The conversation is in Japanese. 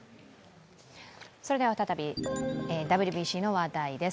それでは再びＷＢＣの話題です。